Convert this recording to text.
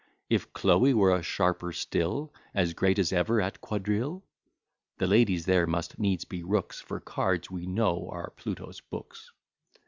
If Chloe were a sharper still As great as ever at quadrille? (The ladies there must needs be rooks, For cards, we know, are Pluto's books.)